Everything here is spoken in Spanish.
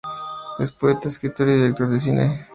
Es poeta, escritor y director de cine.